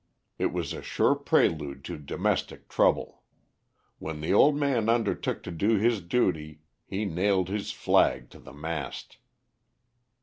It was a sure prelude to domestic trouble. When the old gentleman undertook to do his duty, he nailed his flag to the mast.